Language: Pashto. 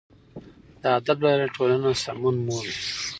د ادب له لارې ټولنه سمون مومي.